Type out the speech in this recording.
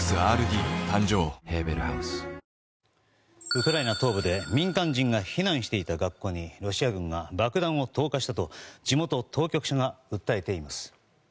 ウクライナ東部で民間人が避難していた学校にロシア軍が爆弾を投下したと地元当局者が訴えています。